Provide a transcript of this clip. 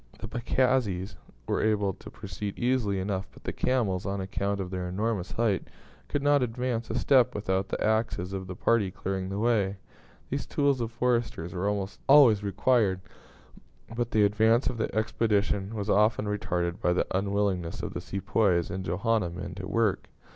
The pagazis were able to proceed easily enough; but the camels, on account of their enormous height, could not advance a step without the axes of the party clearing the way. These tools of foresters were almost always required; but the advance of the expedition was often retarded by the unwillingness of the Sepoys and Johanna men to work.